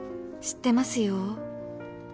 「知ってますよ」